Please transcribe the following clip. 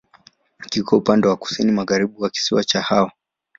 Kiko upande wa kusini-magharibi wa kisiwa cha Hao.